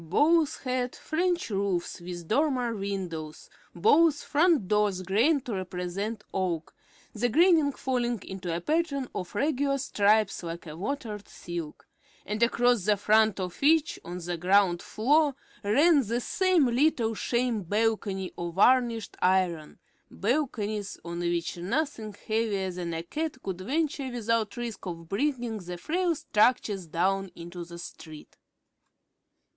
Both had French roofs with dormer windows; both front doors "grained" to represent oak, the graining falling into a pattern of regular stripes like a watered silk; and across the front of each, on the ground floor, ran the same little sham balcony of varnished iron, balconies on which nothing heavier than a cat could venture without risk of bringing the frail structures down into the street.